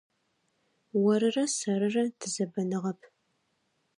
Орырэ сэрырэ тызэбэныгъэп.